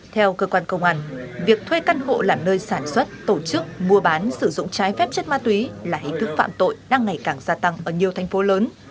theo cơ quan công an việc thuê căn hộ làm nơi sản xuất tổ chức mua bán sử dụng trái phép chất ma túy là hình thức phạm tội đang ngày càng gia tăng ở nhiều thành phố lớn